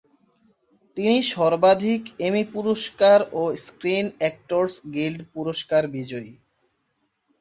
তিনি সর্বাধিক এমি পুরস্কার ও স্ক্রিন অ্যাক্টরস গিল্ড পুরস্কার বিজয়ী।